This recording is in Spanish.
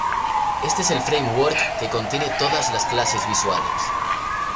Este es el Framework que contiene todas las clases visuales.